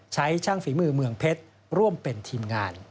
ช่างฝีมือเมืองเพชรร่วมเป็นทีมงาน